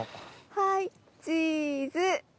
はいチーズ！